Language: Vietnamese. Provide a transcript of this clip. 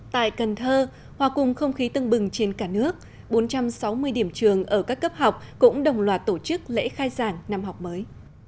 tại cần thơ hòa cùng không khí tưng bừng trên cả nước bốn trăm sáu mươi điểm trường ở các cấp học cũng đồng loạt tổ chức lễ khai giảng năm học mới